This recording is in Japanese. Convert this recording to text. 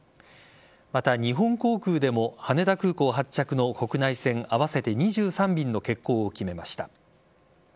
また、日本航空でも羽田空港発着の国内線合わせて２３便の欠航を決めました。